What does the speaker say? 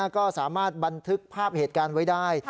ก็สามารถบันทึกภาพเหตุการณ์ไว้ได้